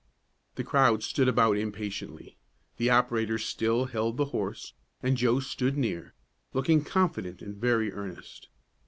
The crowd stood about impatiently. The operator still held the horse, and Joe stood near, looking confident and very earnest.